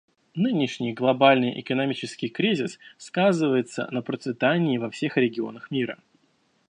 Нынешний глобальный экономический кризис сказывается на процветании во всех регионах мира.